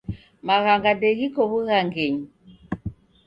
Maghanga ndeghiko w'ughangenyi.